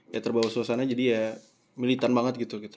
ya terbawa suasana jadi ya militan banget gitu gitu